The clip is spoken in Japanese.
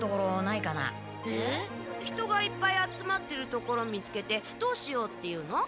人がいっぱい集まってるところ見つけてどうしようっていうの？